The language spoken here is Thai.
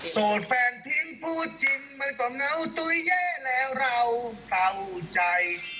สูตรแฟนทิ้งพูดจริงมันก็เงาตุ๋ยแย่แล้วเราเศร้าใจ